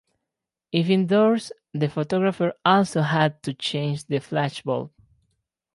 If indoors, the photographer also had to change the flashbulb.